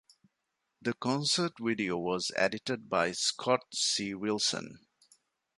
The concert video was edited by Scott C. Wilson.